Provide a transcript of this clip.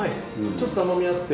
ちょっと甘みあって。